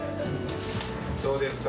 どうですか？